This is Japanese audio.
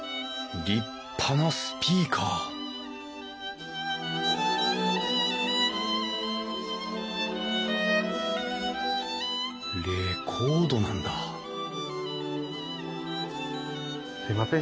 立派なスピーカーレコードなんだすいません。